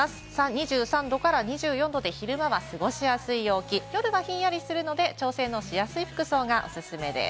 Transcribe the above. ２３度から２４度で昼間は過ごしやすい陽気、夜はひんやりするので、調整のしやすい服装がおすすめです。